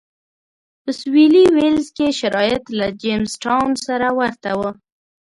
په سوېلي ویلز کې شرایط له جېمز ټاون سره ورته و.